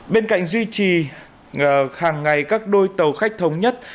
bên cạnh duy trì hàng ngày các đôi tàu khách thống nhất